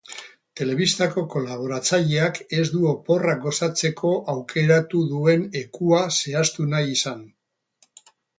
Telebistako kolaboratzaileak ez du oporrak gozatzeko aukeratu duen ekua zehaztu nahi izan.